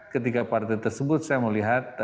ketiga partai tersebut saya melihat